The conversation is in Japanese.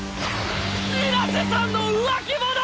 水瀬さんの浮気者！